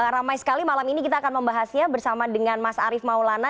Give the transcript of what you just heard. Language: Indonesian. ramai sekali malam ini kita akan membahasnya bersama dengan mas arief maulana